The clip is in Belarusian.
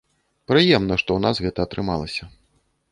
Прыемна, што ў нас гэта атрымалася.